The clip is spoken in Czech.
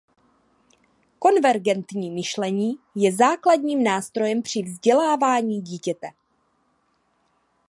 Konvergentní myšlení je základním nástrojem při vzdělávání dítěte.